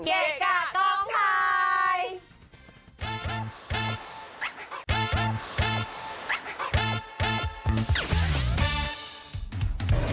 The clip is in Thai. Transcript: เกะกะต้องไทย